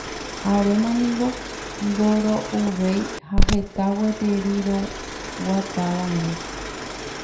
Aréma niko ndoroy'uvéi ha heta gueteri roguatava'erã.